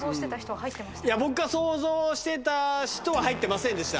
僕が想像してた人は入ってませんでした。